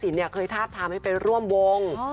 พี่ทาบทำให้ไปร่วมวง